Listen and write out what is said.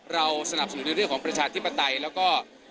เราสนับสนุนในเรื่องของประชาธิปไตยแล้วก็